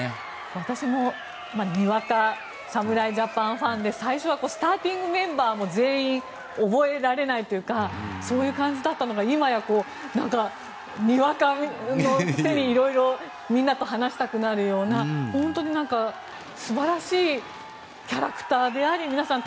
私もにわか侍ジャパンファンで最初はスターティングメンバーも全員覚えられないというかそういう感じだったのが今や、にわかのくせに色々とみんなと話したくなるような本当に素晴らしいキャラクターであり皆さん